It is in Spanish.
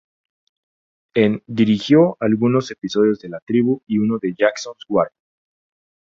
En dirigió algunos episodios de "La tribu" y uno de "Jackson's Wharf".